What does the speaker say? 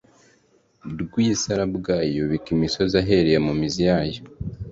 rw isarabwayi Yubika imisozi ahereye mu mizi yayo